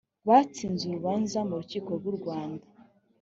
batsinze urubanza mu rukiko rw urwanda